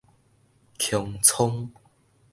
穹蒼